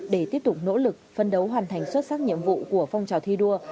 để tiếp tục nỗ lực phân đấu hoàn thành xuất sắc nhiệm vụ của phong trào thi đua